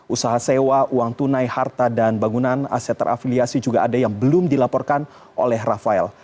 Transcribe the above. usaha sewa uang tunai harta dan bangunan aset terafiliasi juga ada yang belum dilaporkan oleh rafael